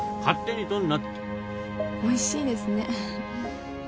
おいしいですね。